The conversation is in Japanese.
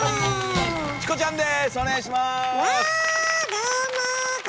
どうも。